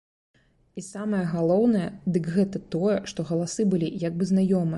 І самае галоўнае, дык гэта тое, што галасы былі як бы знаёмыя.